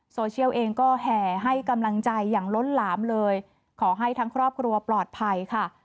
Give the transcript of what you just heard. โซเชียลเองก็แห่ให้กำลังใจอย่างล้นหลามเลยขอให้ทั้งครอบครัวปลอดภัยค่ะ